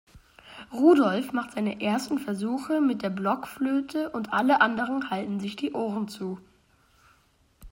Rudolf macht seine ersten Versuche mit der Blockflöte und alle anderen halten sich die Ohren zu.